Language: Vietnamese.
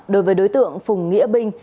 đối với đối tượng phùng nghĩa binh